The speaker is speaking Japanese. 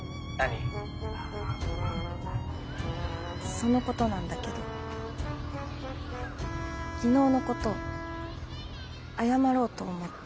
そのことなんだけど昨日のこと謝ろうと思って。